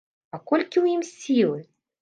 А колькі ў ім сілы!